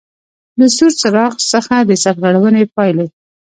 له سور څراغ څخه د سرغړونې پاېلې: